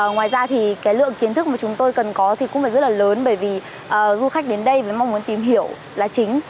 ngoài ra thì cái lượng kiến thức mà chúng tôi cần có thì cũng phải rất là lớn bởi vì du khách đến đây với mong muốn tìm hiểu là chính